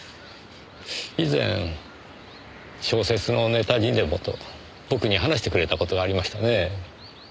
以前小説のネタにでもと僕に話してくれた事がありましたねえ。